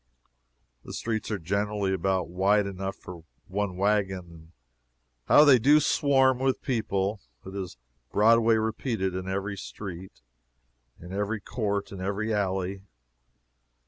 The streets are generally about wide enough for one wagon, and how they do swarm with people! It is Broadway repeated in every street, in every court, in every alley!